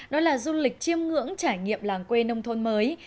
đó là du lịch chiêm ngưỡng trải nghiệm làng quê nông thôn mới